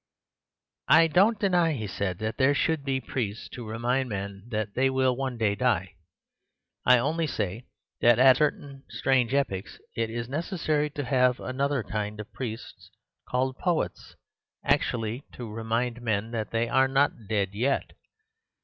"'I don't deny,' he said, 'that there should be priests to remind men that they will one day die. I only say that at certain strange epochs it is necessary to have another kind of priests, called poets, actually to remind men that they are not dead yet.